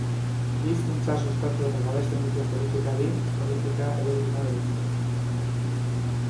Bi hizkuntza sustatu eta babesten dituen politikari politika elebiduna deritzogu.